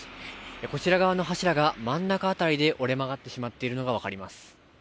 こちら側の柱が、真ん中辺りで折れ曲がってしまっているのが分かります。